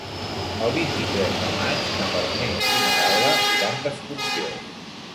El vint-i-tres de maig na Farners i na Gal·la iran d'excursió.